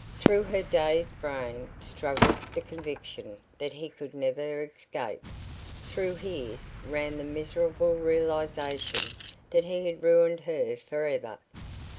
Through her dazed brain struggled the conviction that he could never escape; through his ran the miserable realization that he had ruined her forever.